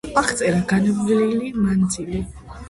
აღწერა განვლილი მანძილი.